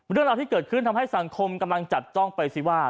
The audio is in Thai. เรื่องราวที่เกิดขึ้นทำให้สังคมกำลังจับจ้องไปสิว่า